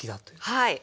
はい。